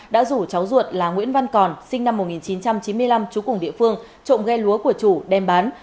đã rủ cháu ruột là nguyễn văn còn sinh năm một nghìn chín trăm chín mươi năm chú cùng địa phương trộm ghe lúa của chủ đem bán